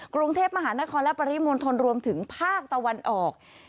กรุงเทพมหานครและปริมณฑลรวมถึงภาคตะวันออก